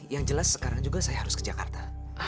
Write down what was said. yang jelas sekarang juga saya harus ke jakarta